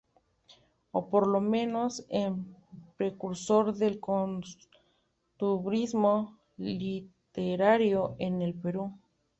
O por lo menos en precursor del costumbrismo literario en el Perú.